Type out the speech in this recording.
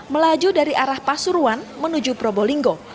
melaju dari arah pasuruan menuju probolinggo